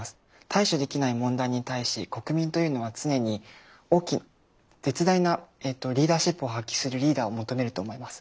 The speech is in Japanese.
対処できない問題に対し国民というのは常に絶大なリーダーシップを発揮するリーダーを求めると思います。